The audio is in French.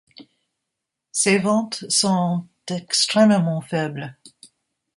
Ses ventes sont extrêmement faibles.